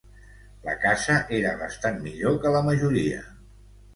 La casa era bastant millor que la majoria.